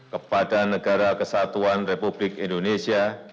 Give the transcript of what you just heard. kepada negara kesatuan republik indonesia